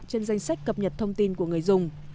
trên danh sách cập nhật thông tin của người dùng